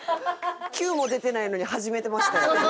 キューも出てないのに始めてましたよ。